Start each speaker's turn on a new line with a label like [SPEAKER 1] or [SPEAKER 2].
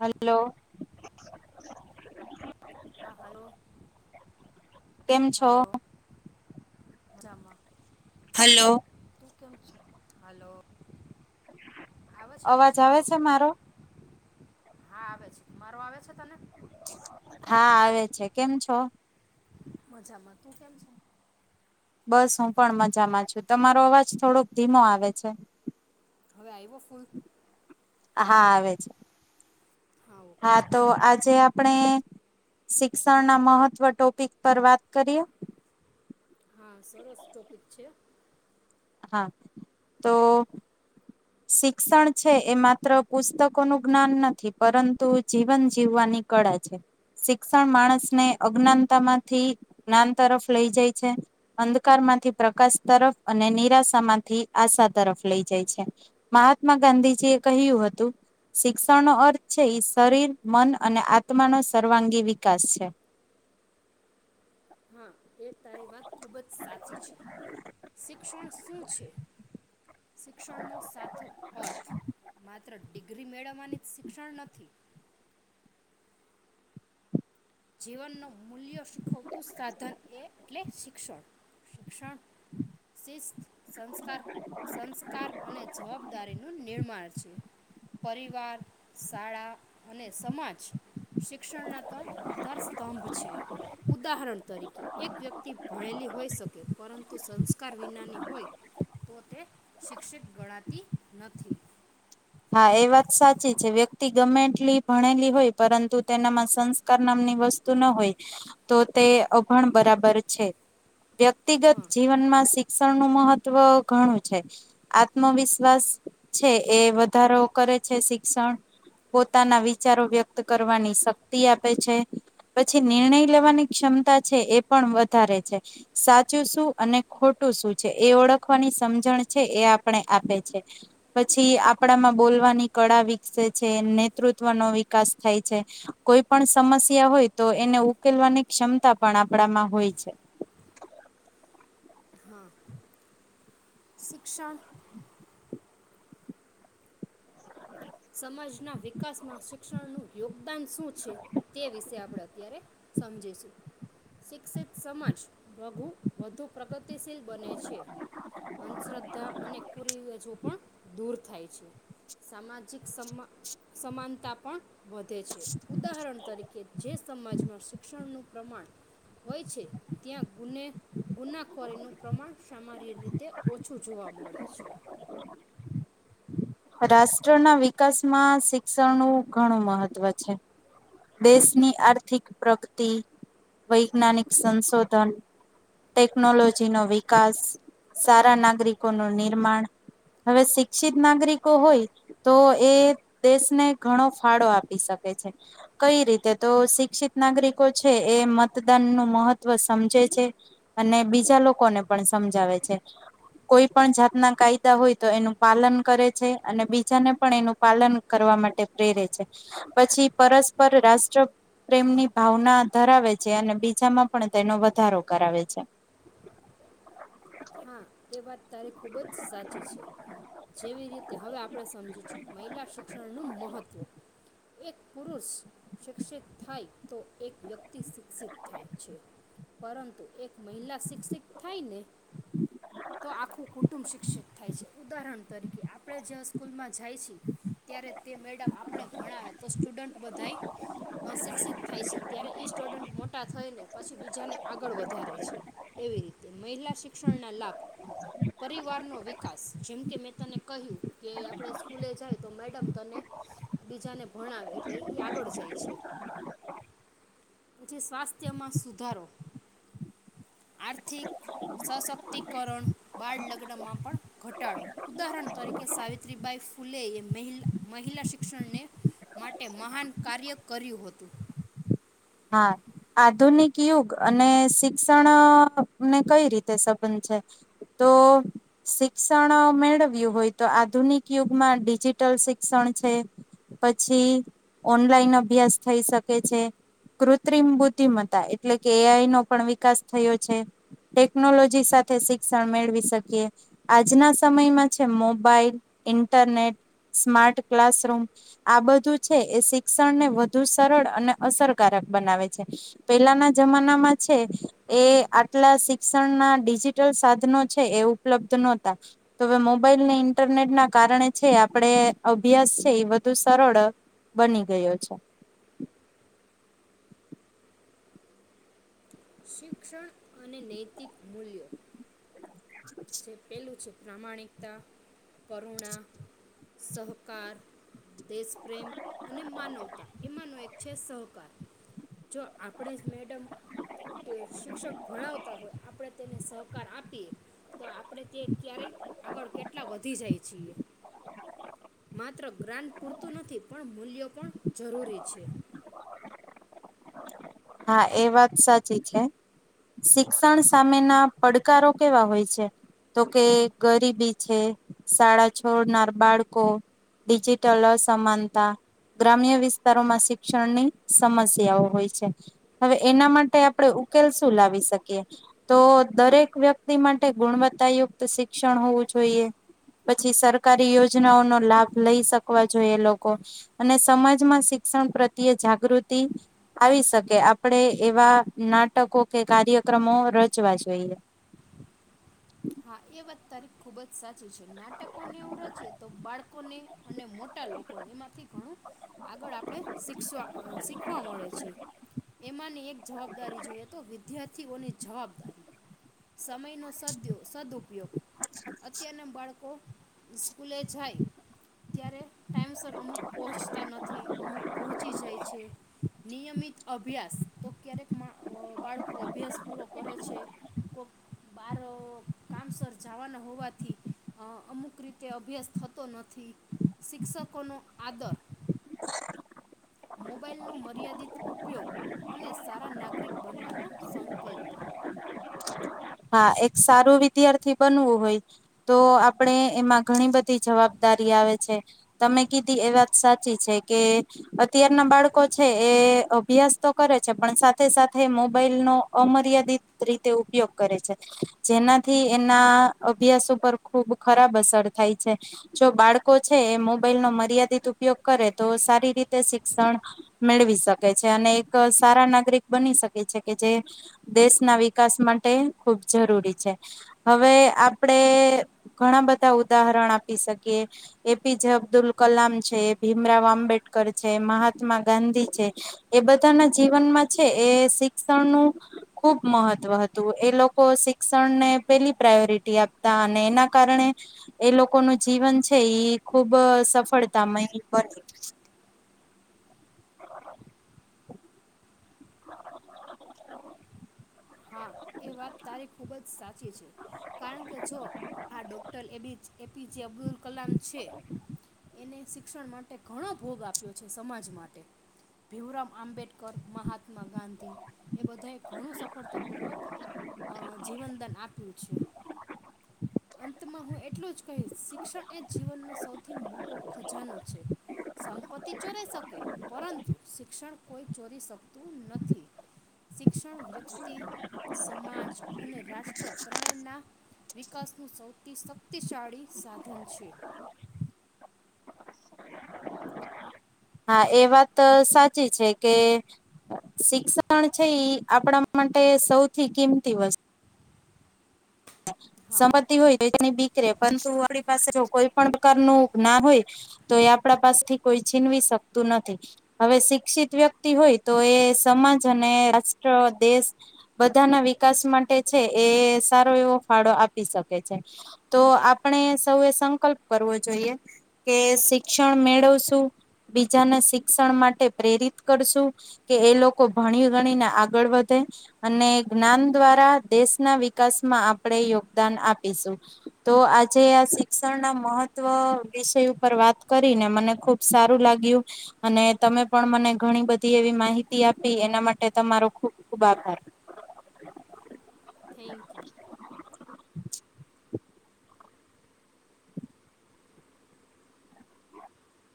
[SPEAKER 1] હાલો
[SPEAKER 2] હા હાલો
[SPEAKER 1] કેમ છો?
[SPEAKER 2] હાલો જમાં
[SPEAKER 1] હાલો
[SPEAKER 2] કેમ છો હાલો
[SPEAKER 1] અવાજ આવે છે મારો
[SPEAKER 2] હા આવે છે મારો આવે છે તને
[SPEAKER 1] હા આવે છે કેમ છો
[SPEAKER 2] મજામાં તું કેમ છે
[SPEAKER 1] બસ હું પણ મજામાં છું તમારો અવાજ થોડોક ધીમો આવે છે
[SPEAKER 2] હવે આયવો ફૂલ
[SPEAKER 1] હા આવે છે
[SPEAKER 2] ઓકે
[SPEAKER 1] હા
[SPEAKER 2] ચાલ
[SPEAKER 1] તો આજે આપ આપણે શિક્ષણના મહત્વ ટોપિક પર વાત કરીએ
[SPEAKER 2] હા સરસ ટોપિક છે
[SPEAKER 1] હા તો શિક્ષણ છે એ માત્ર પુસ્તકોનું જ્ઞાન નથી પરંતુ જીવન જીવવાની કળા છે શિક્ષણ માણસને અજ્ઞાનતામાંથી જ્ઞાન તરફ લઈ જાય છે અંધકારમાંથી પ્રકાશ તરફ અને નિરાશામાંથી આશા તરફ લઈ જાય છે મહાત્મા ગાંધીજીએ કહ્યું હતું શિક્ષણનો અર્થ છે એ શરીર મન અને આત્માનો સર્વાંગી વિકાસ છે
[SPEAKER 2] હા એ તારી વાત ખુબ જ સાચી છે શિક્ષણ શું છે શિક્ષણનો [unintelligible] અર્થ માત્ર ડિગ્રી મેળવવાની શિક્ષણ નથી જીવન નુ મૂલ્ય શીખવતું સાધન એ એટલે શિક્ષણ શિક્ષણ શિસ્ત સંસ્કાર સંસ્કાર અને જવાબદારીનું નિર્માણ છે પરિવાર શાળા અને સમાજ શિક્ષણના ત્રણ આધાર સ્તંભ છે ઉદાહરણ તરીકે એક વ્યક્તિ ભણેલી હોઈ શકે પરંતુ સંસ્કાર વિનાની હોય તો તે શિક્ષિત ગણાતી નથી
[SPEAKER 1] હા એ વાત સાચી છે વ્યક્તિ ગમેટલી ભણેલી હોય પરંતુ તેનામાં સંસ્કાર નામની વસ્તુ ન હોય તો તે અભણ બરાબર છે વ્યક્તિગત
[SPEAKER 2] હા
[SPEAKER 1] જીવનમાં શિક્ષ શિક્ષા નું મહત્વ ઘણું છે આત્મવિશ્વાસ છે એ વધારો કરે છે શિક્ષણ પોતાના વિચારો વ્યક્ત કરવાની શક્તિ આપે છે. પછી નિર્ણય લેવાની ક્ષમતા છે એ પણ વધારે છે. ‌સાચું શું અને ખોટું શું છે એ ઓળખવાની સમજણ છે એ આપણે આપે છે. પછી, આપણામાં બોલવાની કળા વિકસે છે. નેતૃત્વનો વિકાસ થાય છે. કોઈ પણ સમસ્યા હોય તો એને ઉકેલવાની ક્ષમતા પણ આપણામાં હોય છે.
[SPEAKER 2] હા શિક્ષણ સમાજના વિકાસમાં શિક્ષણનું યોગદાન શું છે તે વિશે આપણે અત્યારે સમજીશું. શિક્ષિત સમાજઘુ વધુ પ્રગતિશીલ બને છે. અંધશ્રદ્ધા અને કુ રીવાજો પણ દૂર થાય છે. માજ માજિક સમાનતા પણ વધે છે. ઉદાહરણ તરીકે જે સમાજમાં શિક્ષણનું પ્રમાણ હોય છે, ત્યાં ગુને ગુનાખોરીનું પ્રમાણ સામાન્ય રીતે ઓછું જોવા મળે છે.
[SPEAKER 1] રાષ્ટ્રના વિકાસમાં શિક્ષણનું ઘણું મહત્ત્વ છે. દેશની આર્થિક પ્રગતિ, વૈજ્ઞાનિક સંશોધન, ટેકનોલોજી નો વિકાસ, સારા નાગરિકોનું નિર્માણ, હવે શિક્ષિત નાગરિકો હોય તો એ દેશને ઘણો ફાળો આપી શકે છે. કઈ રીતે તો શિક્ષિત નાગરિકો છે, એ મતદાન નું મહત્વ સમજે છે. અને બીજા લોકોને પણ સમજાવે છે. કોઈ પણ જાતના કાયદા હોય તો એનું પાલન કરે છે. અને બીજાને પણ એનું પાલન કરવા માટે પ્રેરે છે. પછી પરસ્પર પર રાષ્ટ્ર પ્રેમની ભાવના ધરાવે છે. અને બીજામાં પણ તેનો વધારો કરાવે છે.
[SPEAKER 2] હા એ વાત તારી ખૂબ જ સાચી છે. જેવી રીતે હવે આપણે સમજીશું મહિલા શિક્ષણનું મહત્ત્વ. એક પુરુષ શિક્ષિત થાય તો એક વ્યક્તિ શિક્ષિત થાય છે. પરંતુ એક મહિલા શિક્ષિત થાયને તો આખું કુટુંબ શિક્ષિત થાય છે. ઉદાહરણ તરીકે આપણે જ સ્કૂલમાં જાય છે, ત્યારે તે મેડમ આપણે ભણાવે તો સ્ટુડન્ટ બધા શિક્ષિત થાય છે. ત્યારે સ્ટુડન્ટ મોટા થઈને પછી બીજાને આગળ વધારે છે. એવી રીતે મહિલા શિક્ણ ના લાભ પરિવાર નો વિકાસ જેમકે મેં તને કહ્યું કે આપણે સ્કૂલે જાય તો મેડમ તને બીજાને ભણાવે એટલે એ આગળ જાય છે. સ્વાસ્થ્યમાં સુધારો, આર્થિક સશક્તિકરણ બાળ લગ્નમાં પણ ઘટાડો. ઉદાહરણ તરીકે સાવિત્રીબાઈ ફૂલે એ મહ મહિલા શિક્ષણને માટે મહાન કાર્ય કર્યું હતું.
[SPEAKER 1] હાં, આધુનિક યુગ અને શિક્ષણને કઈ રીતે સંબંધ છે, તો શિક્ષણ મેળવ્યું હોય તો આધુનિક યુગમાં ડિજિટલ શિક્ષણ છે પછી ઓનલાઈન અભ્યાસ થઈ શકે છે. કૃત્રિમ બુદ્ધિમત્તા એટલે કે એઆઈ નો પણ વિકાસ થયો છે. ટેકનોલોજી સાથે શિક્ષણ મેળવી શકીએ આજના સમયમાં છે, મોબાઈલ, ઇન્ટરનેટ, સ્માર્ટ ક્લાસરૂમ આ બધું છે એ શિક્ષણને વધુ સરળ અને અસર કારક બનાવે છે. પહેલાના જમાનામાં છે એ આટલા શિક્ષણના ડિજિટલ સાધનો છે, એ ઉપલબ્ધ નહતા. તો મોબાઈલને, ઈન્ટરનેટ ના કારણે છે આપણે અભ્યાસ છે એ વધુ સરળ બની ગયો છે.
[SPEAKER 2] શિક્ષણ અને નૈતિક મૂલ્યો છે પેલું છે પ્રમાણિકતા, કરુણા સહકાર દેશ પ્રેમ અને માનવતા એમાંનો એક છે સહકાર જો આપણે જ મેડમ શિક્ષક ભણાવતા હોય, આપણે તેને સહકાર આપીએ તો, આપણે તે ક્યારેય આગળ કેટલા વધી જાય છીએ, માત્ર ગ્રાન્ટ પૂરતું નથી, પણ મૂલ્યો પણ જરૂરી છે.
[SPEAKER 1] હા એ વાત સાચી છે. શિક્ષણ સામેના પડકારો કેવા હોય છે. તો કે ગરીબી છે. શાળા છોડનાર બાળકો, ડિજિટલ અસમાનતા ગ્રામ્ય, વિસ્તારોમાં શિક્ષણની સમસ્યાઓ હોય છે. હવે એના માટે આપણે ઉકેલ શું લાવી શકીએ તો દરેક વ્યક્તિ માટે ગુણવત્તાયુક્ત શિક્ષણ હોવું જોઈએ. પછી સરકારી યોજનાઓનો લાભ લઈ શકવા જોઈએ લોકો, અને સમાજમાં શિક્ષણ પ્રત્યે જાગૃતિ આવી શકે. કે આપણે એવા નાટકો કે કાર્યક્રમો રચવા જોઈએ.
[SPEAKER 2] હા એ વાત તારી ખુબ જ સાચી. છે. નાટકોને એવું રચીએ તો બાળકોને અને મોટા લોકોને એમાંથી ઘણું આગળ આપણે શ શીખવા મળે છે. એમાંની એક જવાબદારી જોઈએ તો વિદ્ય વિદ્યાર્થીઓની જવાબદારી સમય નો સાધ્યો સદઉપયોગ અત્યારના બાળકો સ્કૂલે જાય ત્યારે ટાઈમસર અમુક પહોંચતા નથી. અમુક પહોંચી જાય છે. નિયમિત અભ્યાસ તો ક્યારેક બાળકો અભ્યાસ પૂરો કરે છે. કોક બારો કામસર જવાના હોવાથી અમુક રીતે અભ્યાસ થતો નથી શિક્ષકો નો આદર
[SPEAKER 1] [inaudible]
[SPEAKER 2] મોબાાઈલનો મર્યાદિત ઉપયોગ અને સારા નાગરિક બનવાનો સંકલ્પ
[SPEAKER 1] હા એક સારું વિદ્યાર્થી બનવું હોય તો આપણેે એમાં ઘણી બધી જવાબદારી આવે છે તમે કીધી એ વાત સાચી છે કે અત્યારના બાળકો છે એ અભ્યાસ તો કરે છે પણ સાથે સાથે મોબાઈલ નો અમર્યાદિત રીતે ઉપયોગ જેનાથી એના અભ્યાસ ઉપર ખુબ ખરાબ અસર થાય છે જો બાળકો છે એ મોબાઈલ નો મર્યાદિત ઉપયોગ કરે તો સારી રીતે શિક્ષણ મેળવી શકે છે અને એક સારા નાગરિક બની શકે છે કે જે દેશના વિકાસ માટે ખબ જરૂરી છે હવે આપડે ઘણા બધા ઉદાહરણ આપી શકીએ એપીજ અબ્દુલ કલામ છે ભીમરાવ આંબેડકર છે મહાત્મા ગાંધી છે એ બધાના જીવનમાં છે એ શિક્ષણનુંું ખુબ મહત્વ હતું એ લોકો લોકો શિક્ષણને પેલી પ્રાયોરિટી આપતા અને એના કારણે એ લોકોનું જીવન છે એ ખુબ સફળતામય બને [inaudible]
[SPEAKER 2] હા એ વાત તારી ખુબ જ સાચી છે કારણ કે જો આ ડોક્ટર એબી એપીજે અબ્દુલ કલામ છે એને શિક્ષણ માટે ઘણો ભોગ આપ્યો છે સમાજ માટે ભીમરામ આંબેડકર મહાત્મા ગાંધી એ બધાએ ઘણું સફળ તાપૂર્વક જીવનદાન આપ્યું છે અંતમાં હું એટલું જ કહીશ શિક્ષણ એ જીવનનો સૌથી મોટો ખજાનો છે સંપત્તિ ચોરાય શકે પરંતુ શિક્ષણ કોઈ ચોરી શકતું નથી શિક્ષણ વ્યક્તિ સમાજ અને રાષ્ટ્ર ત્રણેય ના વિકાસનું સૌથી શક્તિશાળી સાધન છે
[SPEAKER 1] હા એ વાત સાચી છે કે શિક્ષણ છે ઈ આપણા માટે સૌથી કિંમતી વસ્તુ
[SPEAKER 2] હા
[SPEAKER 1] સમજતી હોય બીકરે પરંતુ આપણી પાસે જો કોઈ પણ પ્રકાર નુ ના હોય તો એ આપણા પાસેથી કોઈ છીનવી શકતું નથી હવે શિક્ષિત વ્યક્તિ હોય તો એ સમાજ અને રાષ્ટ્ર દેશ બધાના વિકાસ માટે છે એ સારો ફાળો આપી શકે છે તો આપણે સૌ એ સંકલ્પ કરવો જોઈએ કે શિક્ષણ મેળવશું બીજાને શિક્ષણ માટે પ્રેરિત કરશું કે એ લોકો ભણી ગણીને આગળ વધે અને જ્ઞાન દ્વારા દેશના વિકાસ માં આપણે યોગદાન આપીશું તો આજે આ શિક્ષણના મહત્વ વિષય ઉપર વાત કરીને મને ખુબ સારું લાગ્યું અને તમે પણ મને ઘણી બધી એવી માહિતી આપી એના માટે તમારો ખૂબ ખૂબ આભાર
[SPEAKER 2] થેન્ક યુ
[SPEAKER 1] [inaudible]